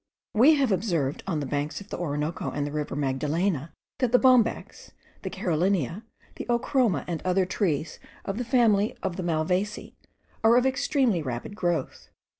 We have observed, on the banks of the Orinoco and the river Magdalena, that the bombax, the carolinea, the ochroma, and other trees of the family of the malvaceae, are of extremely rapid growth.